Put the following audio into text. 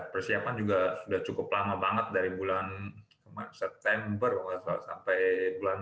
persiapan juga sudah cukup lama banget dari bulan september sampai bulan